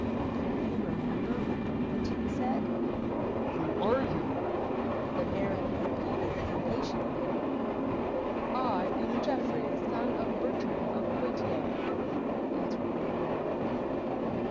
Don't you remember what the legend said? "Who are you?" the Baron repeated, impatiently. "I am Geoffrey, son of Bertram of Poictiers," answered the young man.